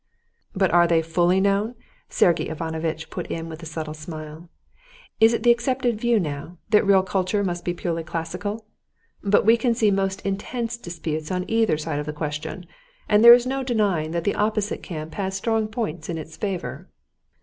"But are they fully known?" Sergey Ivanovitch put in with a subtle smile. "It is the accepted view now that real culture must be purely classical; but we see most intense disputes on each side of the question, and there is no denying that the opposite camp has strong points in its favor."